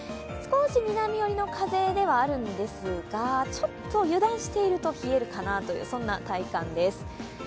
少し南寄りの風ではあるんですが、ちょっと油断していると冷えるかなという体感です。